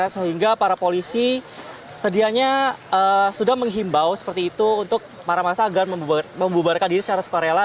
sehingga para polisi sedianya sudah menghimbau seperti itu untuk para masa agar membubarkan diri secara sukarela